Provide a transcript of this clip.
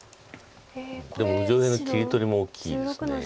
でも上辺の切り取りも大きいです。